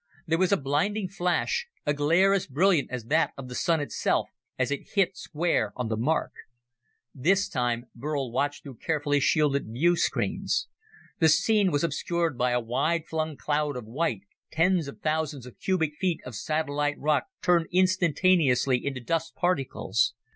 There was a blinding flash, a glare as brilliant as that of the Sun itself, as it hit square on the mark. This time Burl watched through carefully shielded viewscreens. The scene was obscured by a wide flung cloud of white tens of thousands of cubic feet of satellite rock turned instantaneously into dust particles.